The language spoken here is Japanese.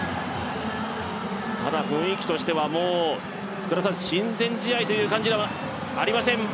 ただ雰囲気としては親善試合という感じではありません。